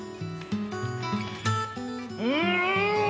うん！